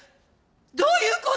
どういう事！？